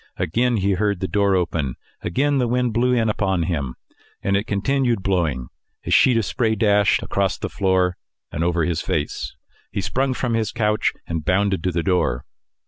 Again he heard the door open; again the wind blew in upon him, and it continued blowing; a sheet of spray dashed across the floor, and over his face. He sprung from his couch and bounded to the door.